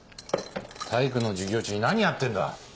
体育の授業中に何やってんだ。